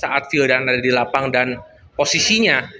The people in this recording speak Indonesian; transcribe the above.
saat fieldan ada di lapang dan posisinya